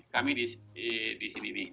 kami di sini nih